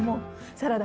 サラダ？